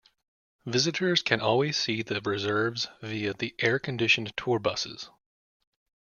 Visitors can always see the reserves via the air-conditioned tour buses.